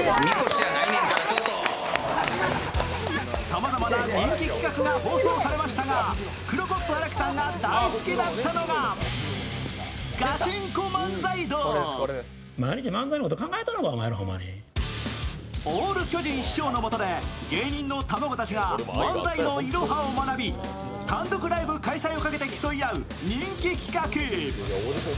さまざまな人気企画が放送されましたが、クロコップ荒木さんが大好きだったのがオール巨人師匠のもとで芸人の卵たちが漫才のいろはを学び単独ライブ開催をかけて競い合う人気企画。